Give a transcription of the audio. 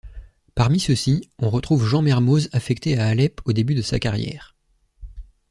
Parmi ceux-ci, on retrouve Jean Mermoz affecté à Alep au début de sa carrière.